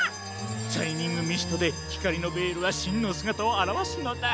シャイニングミストでひかりのベールはしんのすがたをあらわすのだ。